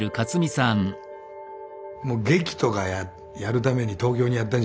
もう「劇とかやるために東京にやったんじゃない！」っていう。